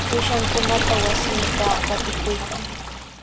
Uushankunata wasinpa qatikuykan.